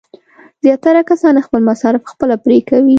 زیاتره کسان خپل مصارف خپله پرې کوي.